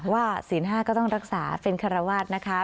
ว่าศิลป์๕ก็ต้องรักษาเป็นขระวาดนะคะ